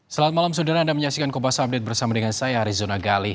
selamat malam saudara anda menyaksikan cobas update bersama dengan saya arizon nagali